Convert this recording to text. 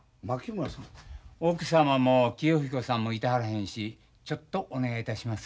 奥様も清彦さんもいてはらへんしちょっとお願いいたします。